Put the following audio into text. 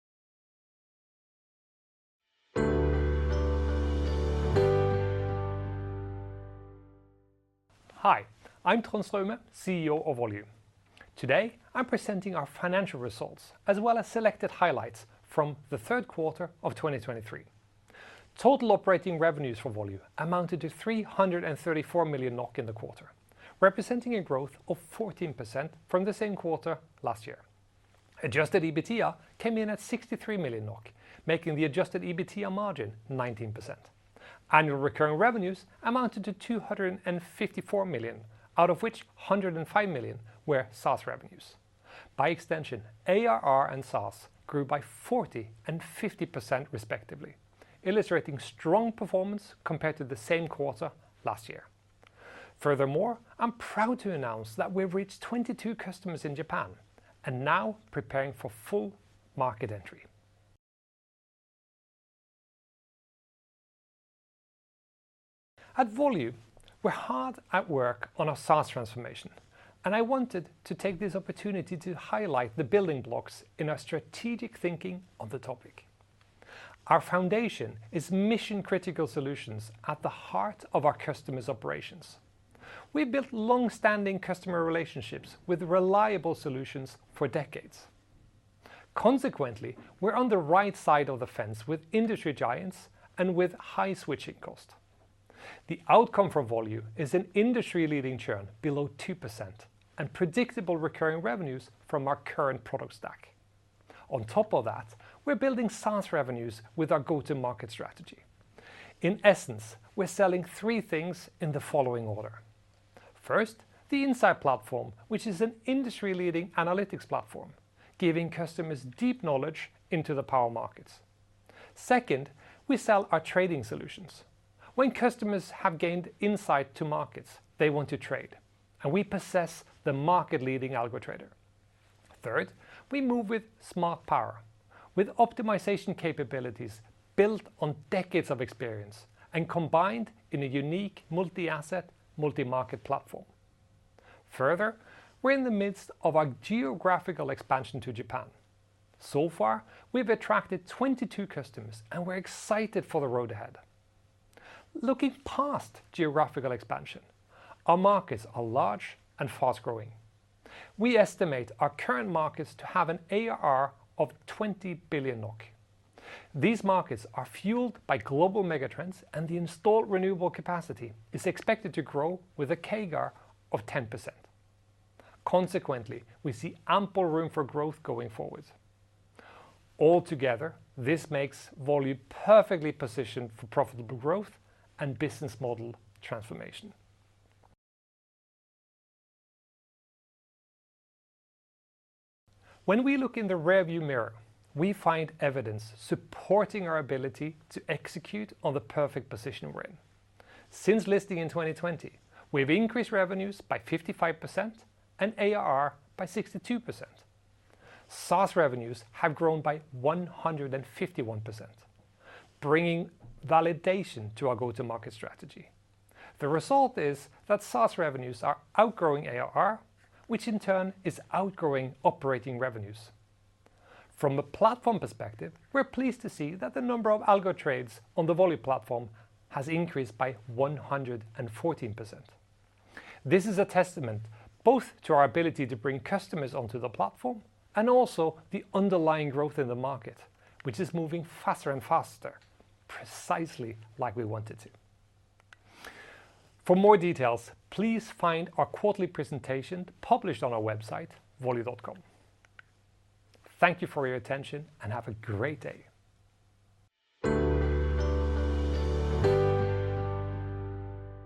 Hi, I'm Trond Straume, CEO of Volue. Today, I'm presenting our financial results, as well as selected highlights from the third quarter of 2023. Total operating revenues for Volue amounted to 334 million NOK in the quarter, representing a growth of 14% from the same quarter last year. Adjusted EBITDA came in at 63 million NOK, making the Adjusted EBITDA margin 19%. Annual recurring revenues amounted to 254 million, out of which 105 million were SaaS revenues. By extension, ARR and SaaS grew by 40% and 50% respectively, illustrating strong performance compared to the same quarter last year. Furthermore, I'm proud to announce that we've reached 22 customers in Japan and now preparing for full market entry. At Volue, we're hard at work on our SaaS transformation, and I wanted to take this opportunity to highlight the building blocks in our strategic thinking on the topic. Our foundation is mission-critical solutions at the heart of our customers' operations. We've built long-standing customer relationships with reliable solutions for decades. Consequently, we're on the right side of the fence with industry giants and with high switching cost. The outcome for Volue is an industry-leading churn below 2% and predictable recurring revenues from our current product stack. On top of that, we're building SaaS revenues with our go-to-market strategy. In essence, we're selling three things in the following order: First, the Insight platform, which is an industry-leading analytics platform, giving customers deep knowledge into the power markets. Second, we sell our trading solutions. When customers have gained insight to markets, they want to trade, and we possess the market-leading Algo Trader. Third, we move with Smart Power, with optimization capabilities built on decades of experience and combined in a unique multi-asset, multi-market platform. Further, we're in the midst of a geographical expansion to Japan. So far, we've attracted 22 customers, and we're excited for the road ahead. Looking past geographical expansion, our markets are large and fast-growing. We estimate our current markets to have an ARR of 20 billion NOK. These markets are fueled by global megatrends, and the installed renewable capacity is expected to grow with a CAGR of 10%. Consequently, we see ample room for growth going forward. Altogether, this makes Volue perfectly positioned for profitable growth and business model transformation. When we look in the rearview mirror, we find evidence supporting our ability to execute on the perfect position we're in. Since listing in 2020, we've increased revenues by 55% and ARR by 62%. SaaS revenues have grown by 151%, bringing validation to our go-to-market strategy. The result is that SaaS revenues are outgrowing ARR, which in turn is outgrowing operating revenues. From a platform perspective, we're pleased to see that the number of algo trades on the Volue platform has increased by 114%. This is a testament both to our ability to bring customers onto the platform and also the underlying growth in the market, which is moving faster and faster, precisely like we want it to. For more details, please find our quarterly presentation published on our website, volue.com. Thank you for your attention, and have a great day!